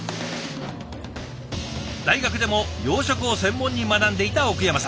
大学でも養殖を専門に学んでいた奥山さん。